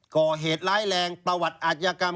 ก่อเหตุร้ายแรงประวัติอาชญากรรม